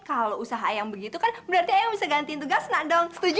kalau usaha yang begitu kan berarti ayah bisa gantiin tugas nak dong setuju